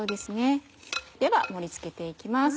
では盛り付けて行きます。